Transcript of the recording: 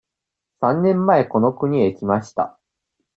三年前この国へ来ました。